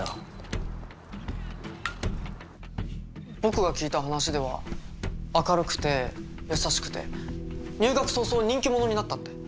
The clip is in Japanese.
僕が聞いた話では明るくて優しくて入学早々人気者になったって。